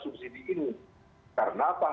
subsidi ini karena apa